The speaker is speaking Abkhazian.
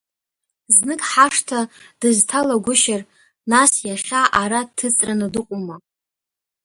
Знык ҳашҭа дызҭалагәышьар, нас иахьа ара дҭыҵраны дыҟоума!